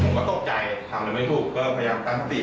ผมก็ตกใจทำได้ไม่ถูกก็พยายามตั้งติด